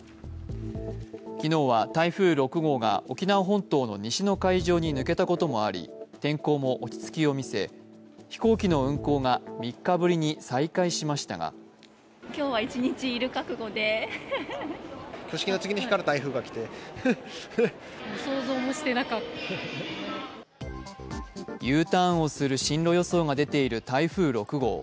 昨日は台風６号が沖縄本島の西の海上に抜けたこともあり天候も落ち着きを見せ、飛行機の運航が３日ぶりに再開しましたがＵターンをする進路予想が出ている台風６号。